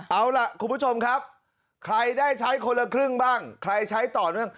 เอาล่ะคุณผู้ชมครับใครได้ใช้คนละครึ่งบ้างใครใช้ต่อเนื่อง